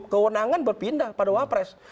kewenangan berpindah pada wapres